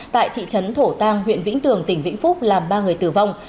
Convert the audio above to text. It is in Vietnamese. tại thị trấn thổ tàng huyện vĩnh tường tỉnh vĩnh phúc làm ba người tử vong